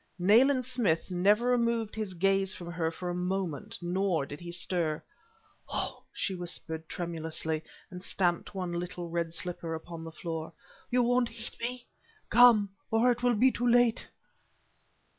Nayland Smith never removed his gaze from her for a moment, nor did he stir. "Oh!" she whispered, tremulously, and stamped one little red slipper upon the floor. "Won't you heed me? Come, or it will be too late!"